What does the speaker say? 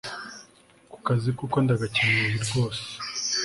kukazi kuko ndagakeneye rwose